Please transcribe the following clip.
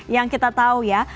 yang kita tahu ya